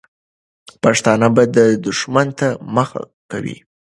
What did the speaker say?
پښتانه به دښمن ته مخه کوي.